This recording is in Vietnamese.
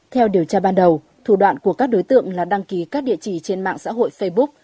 theo điều tra ban đầu thủ đoạn của các đối tượng là đăng ký các địa chỉ trên mạng xã hội facebook